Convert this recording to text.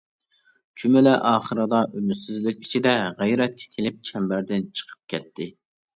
چۈمۈلە ئاخىرىدا ئۈمىدسىزلىك ئىچىدە غەيرەتكە كېلىپ چەمبەردىن چىقىپ كەتتى.